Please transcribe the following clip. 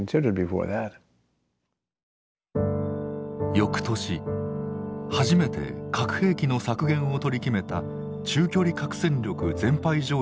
翌年初めて核兵器の削減を取り決めた中距離核戦力全廃条約が結ばれた。